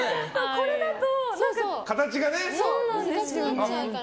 これだと難しくなっちゃうから。